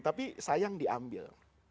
tapi sayang diambil